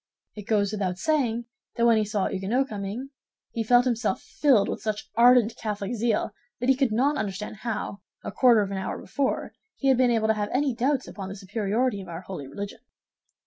It goes without saying that when he saw a Huguenot coming, he felt himself filled with such ardent Catholic zeal that he could not understand how, a quarter of an hour before, he had been able to have any doubts upon the superiority of our holy religion.